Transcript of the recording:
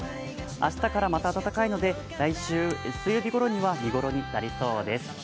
明日からまた暖かいので来週月曜日ごろには見頃になりそうです。